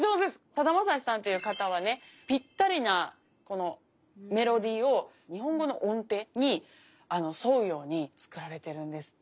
さだまさしさんという方はねぴったりなこのメロディーを日本語の音程に沿うように作られてるんですって。